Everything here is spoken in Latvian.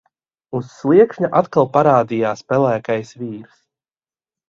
Uz sliekšņa atkal parādījās pelēkais vīrs.